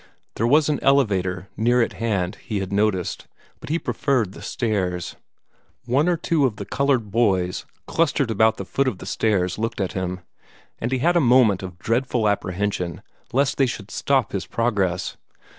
There was an elevator near at hand, he had noticed, but he preferred the stairs. One or two of the colored boys clustered about the foot of the stairs looked at him, and he had a moment of dreadful apprehension lest they should stop his progress.